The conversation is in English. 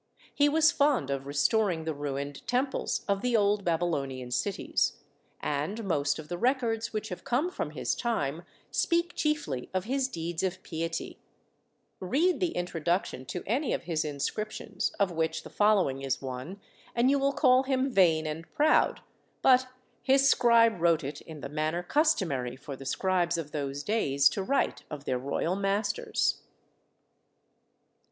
He was fond of restoring the ruined temples of the old Babylonian cities, and most of the records which have come from his time speak chiefly of his deeds of piety. 46 THE SEVEN WONDERS Read the introduction to any of his inscriptions, of which the following is one, and you will call him vain and proud, but his scribe wrote it in the man ner customary for the scribes of those days to write of their royal masters.